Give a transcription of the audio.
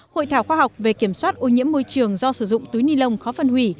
hội thảo khoa học về kiểm soát ô nhiễm môi trường do sử dụng túi ni lông khó phân hủy